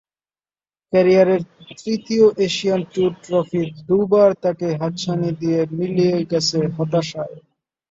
ক্যারিয়ারের তৃতীয় Asian tour trophy দুবার তাঁকে হাতছানি দিয়ে মিলিয়ে গেছে হতাশায়।